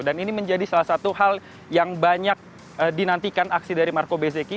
dan ini menjadi salah satu hal yang banyak dinantikan aksi dari marco bezzechi